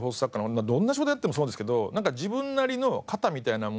どんな仕事やってもそうですけど自分なりの型みたいなものが。